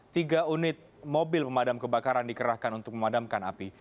tiga unit mobil pemadam kebakaran dikerahkan untuk memadamkan api